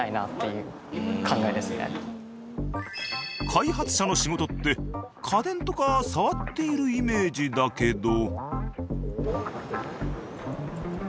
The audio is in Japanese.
開発者の仕事って家電とか触っているイメージだけど。